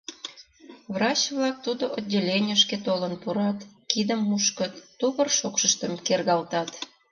Врач-влак тудо отделенийышке толын пурат, кидым мушкыт, тувыр шокшыштым кергалтат.